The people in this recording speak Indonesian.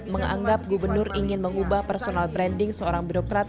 menganggap gubernur ingin mengubah personal branding seorang birokrat